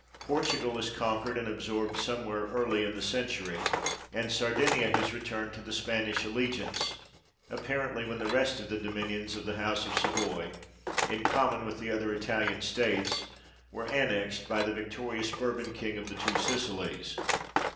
Portugal is conquered and absorbed somewhere early in the century, and Sardinia has returned to the Spanish allegiance, apparently when the rest of the dominions of the house of Savoy, in common with the other Italian states, were annexed by the victorious Bourbon king of the Two Sicilies.